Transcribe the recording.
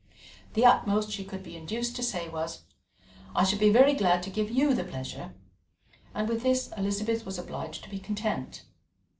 The utmost she could be induced to say was: "I should be very glad to give you the pleasure"; and with this Elizabeth was obliged to be content.